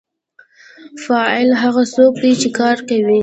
فاعل هغه څوک دی چې کار کوي.